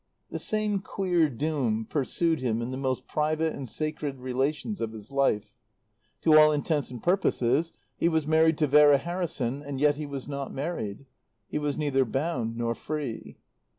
The same queer doom pursued him in the most private and sacred relations of his life. To all intents and purposes he was married to Vera Harrison and yet he was not married. He was neither bound nor free.